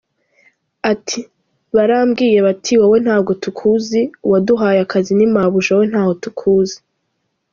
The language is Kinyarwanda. Ati “Barambwiye bati wowe ntabwo tukuzi, uwaduye akazi ni mabuja wowe ntaho tukuzi.